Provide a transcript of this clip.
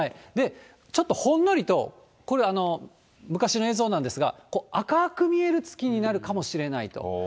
ちょっとほんのりとこれ、昔の映像なんですが、赤く見える月になるかもしれないと。